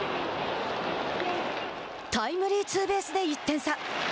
タイムリーツーベースで１点差。